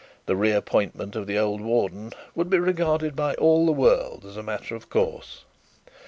The re appointment of the old warden would be regarded by all the world as a matter of course.